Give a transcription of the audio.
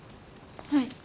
はい。